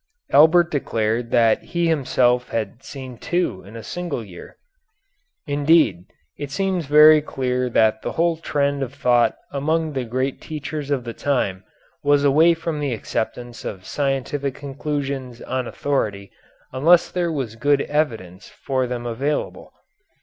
Albert declared that he himself had seen two in a single year. Indeed, it seems very clear that the whole trend of thought among the great teachers of the time was away from the acceptance of scientific conclusions on authority unless there was good evidence for them available.